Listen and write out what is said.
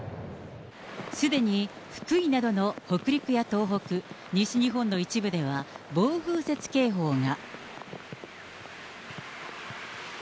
すでに福井などの北陸や東北、西日本の一部では暴風雪警報が。